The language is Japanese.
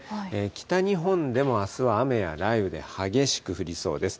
北日本でもあすは雨や雷雨で激しく降りそうです。